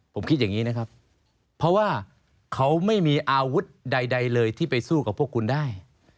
ผมคิดอย่างนี้นะครับเพราะว่าเขาไม่มีอาวุธใดเลยที่ไปสู้กับพวกคุณได้